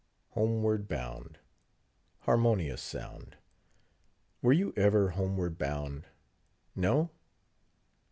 Homeward bound!—harmonious sound! Were you ever homeward bound?—No?